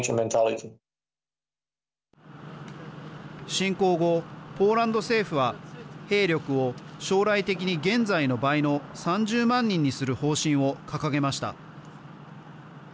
侵攻後、ポーランド政府は兵力を将来的に現在の倍の３０万人にする方針を掲げました。